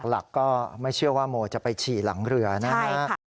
หลักก็ไม่เชื่อว่าโมจะไปฉี่หลังเรือนะฮะ